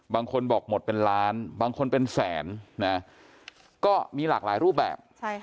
บางคนบอกหมดเป็นล้านบางคนเป็นแสนนะก็มีหลากหลายรูปแบบ